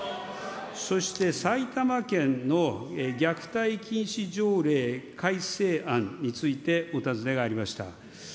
そして、埼玉県の虐待禁止条例改正案についてお尋ねがありました。